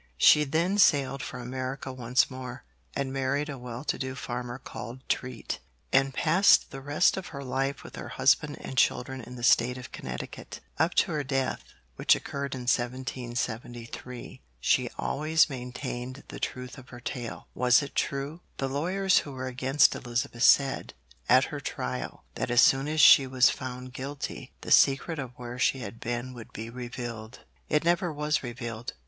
She then sailed for America once more, and married a well to do farmer called Treat, and passed the rest of her life with her husband and children in the State of Connecticut. Up to her death, which occurred in 1773, she always maintained the truth of her tale. Was it true? The lawyers who were against Elizabeth said, at her trial, that as soon as she was found guilty, the secret of where she had been would be revealed. It never was revealed.